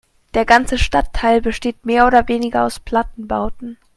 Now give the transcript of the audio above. Der ganze Stadtteil besteht mehr oder weniger aus Plattenbauten.